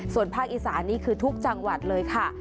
ส่วนภาคอีสานนี่คือทุกจังหวัดเลยค่ะ